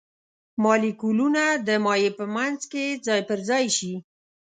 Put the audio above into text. مالیکولونه د مایع په منځ کې ځای پر ځای شي.